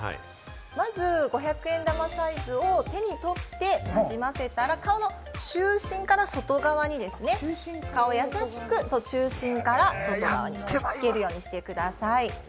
まず５００円玉サイズを手に取ってなじませたら顔の中心から外側にですね、顔にやさしく、中心から外側に押し込むようにしてください。